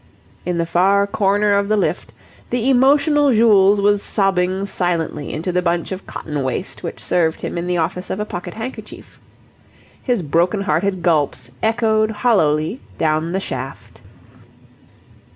In the far corner of the lift, the emotional Jules was sobbing silently into the bunch of cotton waste which served him in the office of a pocket handkerchief. His broken hearted gulps echoed hollowly down the shaft.